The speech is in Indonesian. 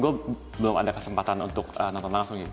gue belum ada kesempatan untuk nonton langsung gitu